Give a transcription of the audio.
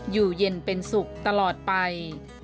อยู่เย็นเป็นสุขตลอดไป